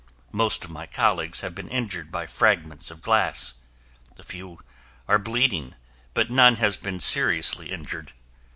Most of my colleagues have been injured by fragments of glass. A few are bleeding but none has been seriously injured.